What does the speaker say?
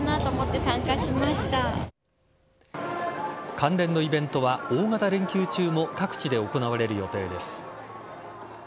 関連のイベントは大型連休中も各地で行われる予定です。